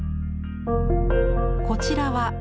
こちらは「乾」。